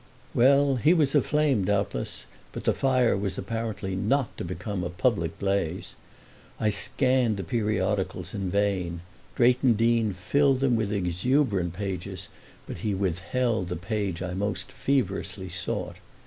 Well, he was aflame doubtless, but the fire was apparently not to become a public blaze. I scanned the periodicals in vain: Drayton Deane filled them with exuberant pages, but he withheld the page I most feverishly sought.